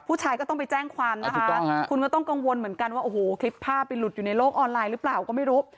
ผู้ชายก็ต้องไปแจ้งความนะคะคุณก็ต้องกังวลเหมือนกันว่าโอ้โหคลิปภาพไปหลุดอยู่ในโลกออนไลน์หรือเปล่าก็ไม่รู้